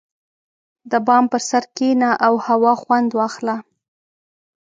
• د بام پر سر کښېنه او هوا خوند واخله.